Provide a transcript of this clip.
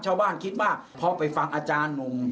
ชาวบ้านคิดว่าพอไปฟังอาจารย์หนุ่ม